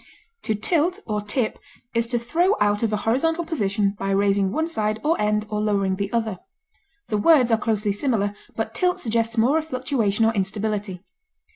To tilt or tip is to throw out of a horizontal position by raising one side or end or lowering the other; the words are closely similar, but tilt suggests more of fluctuation or instability.